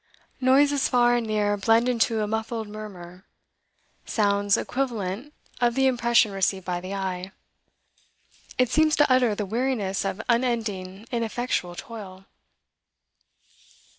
Noises far and near blend into a muffled murmur, sound's equivalent of the impression received by the eye; it seems to utter the weariness of unending ineffectual toil.